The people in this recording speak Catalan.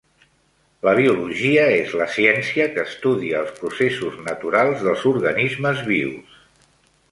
La biologia és la ciència que estudia els processos naturals dels organismes vius.